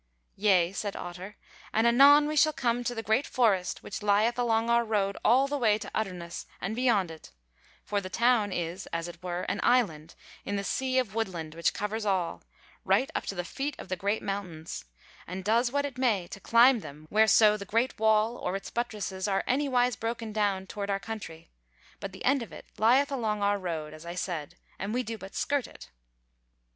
"Yea," said Otter, "and anon we shall come to the great forest which lieth along our road all the way to Utterness and beyond it; for the town is, as it were, an island in the sea of woodland which covers all, right up to the feet of the Great Mountains, and does what it may to climb them whereso the great wall or its buttresses are anywise broken down toward our country; but the end of it lieth along our road, as I said, and we do but skirt it.